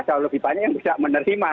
jauh lebih banyak yang bisa menerima